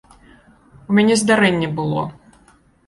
У мяне здарэнне было.